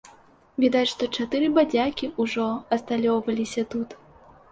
Відаць, што чатыры бадзякі ўжо асталёўваліся тут.